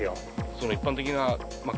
その一般的なまあ